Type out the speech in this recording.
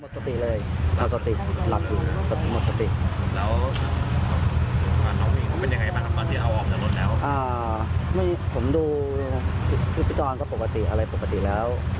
ขอบคุณค่ะ